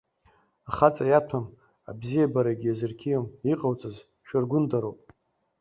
Ахаҵа иаҭәам, абзиабарагьы иазырқьиом, иҟауҵаз шәыргәындароуп.